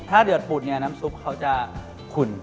ถ้าเดือดผูดน้ำซุปเขาจะขุน